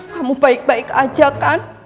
kamu baik baik aja kan